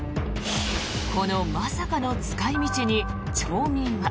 このまさかの使い道に町民は。